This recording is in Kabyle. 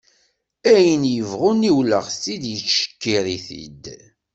Ayen yebɣu niwleɣ-t-id yettcekkir-it-id.